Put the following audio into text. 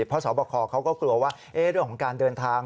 เพราะสอบคอเขาก็กลัวว่าเรื่องของการเดินทาง